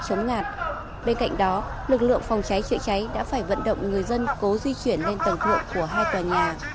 trong lúc đó lực lượng phòng cháy chữa cháy đã phải vận động người dân cố di chuyển lên tầng thuộc của hai tòa nhà